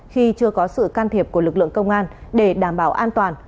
khi chưa có sự can thiệp của lực lượng công an để đảm bảo an toàn